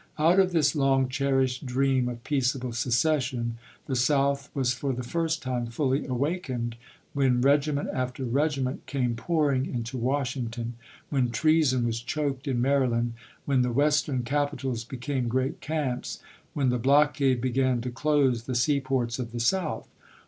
p. i^e.' Out of this long cherished dream of " peaceable secession," the South was for the first time fully awakened when regiment after regiment came pouring into Washington, when treason was choked in Maryland, when the Western capitals became great camps, when the blockade began to close the seaports of the South.